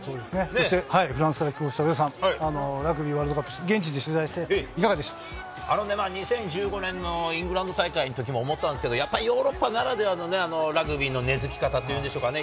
そしてフランスから帰国した皆さん、ラグビーワールドカップ、現地で取材して、あのね、２０１５年のイングランド大会のときも思ったんですけど、やっぱりヨーロッパならではのラグビーの根づき方というんでしょうかね。